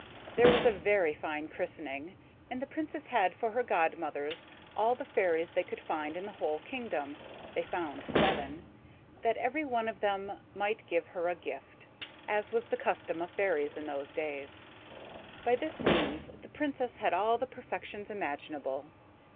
There was a very fine christening; and the Princess had for her god mothers all the fairies they could find in the whole kingdom (they found seven), that every one of them might give her a gift, as was the custom of fairies in those days. By this means the Princess had all the perfections imaginable.